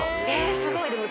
えすごい。